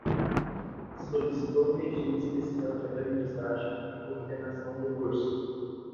Solicitou regime especial de aprendizagem à coordenação do curso